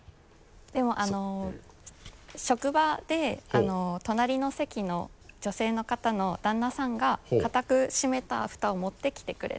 でも職場で隣の席の女性の方の旦那さんが固く閉めたフタを持ってきてくれて。